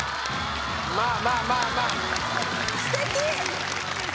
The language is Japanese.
まあまあまあまあすてき